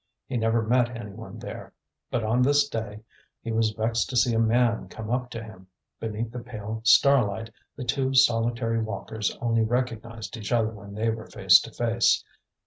He never met any one there. But on this day he was vexed to see a man come up to him. Beneath the pale starlight, the two solitary walkers only recognized each other when they were face to face.